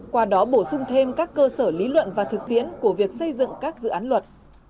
qua đó bổ sung thêm các cơ sở lý luận và thực tiễn của việc xây dựng các dự án luật